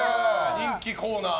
人気コーナー